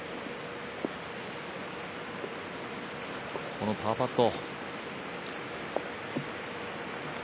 このパーパット。